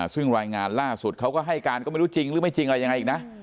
ซึ่งรายงานล่าสุดเขาก็ให้การก็ไม่รู้จริงหรือไม่จริงอะไรยังไงอีกนะ